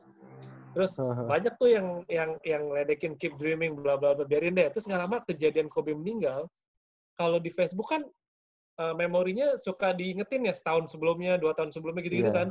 terus banyak tuh yang ledekin keep dreaming bla bla b biarin deh terus gak lama kejadian hobi meninggal kalau di facebook kan memorinya suka diingetin ya setahun sebelumnya dua tahun sebelumnya gitu gitu kan